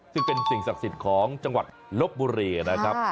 ซึ่งเป็นสิ่งศักดิ์สิทธิ์ของจังหวัดลบบุรีนะครับ